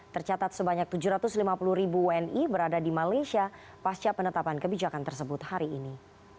tercatat sebanyak tujuh ratus lima puluh ribu wni berada di malaysia pasca penetapan kebijakan tersebut hari ini